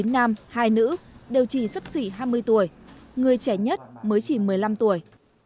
chín nam hai nữ đều chỉ sức sỉ hai mươi tuổi người trẻ nhất mới chỉ một mươi năm tuổi